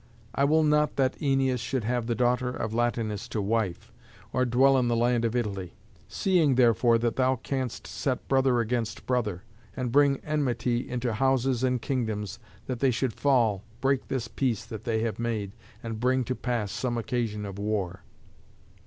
I will not that Æneas should have the daughter of Latinus to wife, or dwell in the land of Italy. Seeing therefore that thou canst set brother against brother, and bring enmity into houses and kingdoms, that they should fall, break this peace that they have made, and bring to pass some occasion of war."